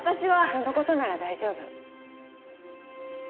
そのことなら大丈夫。